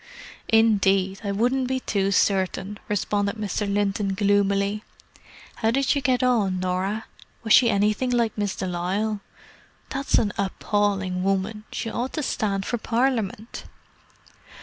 "Indeed, I wouldn't be too certain," responded Mr. Linton gloomily. "How did you get on, Norah? Was she anything like Miss de Lisle? That's an appalling woman! She ought to stand for Parliament!"